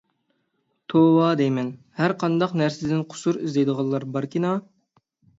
توۋا دەيمەن، ھەر قانداق نەرسىدىن قۇسۇر ئىزدەيدىغانلار باركىنا.